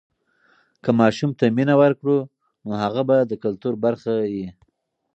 که ماشوم ته مینه ورکړو، نو هغه به د کلتور برخه وي.